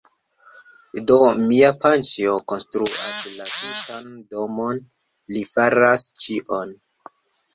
Do, mia paĉjo konstruas la tutan domon, li faras ĉion